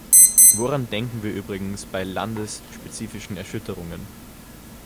Woran denken wir übrigens bei landesspezifischen Erschütterungen?